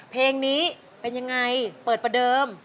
เพลงนี้เป็นยังไงเปิดประเดิม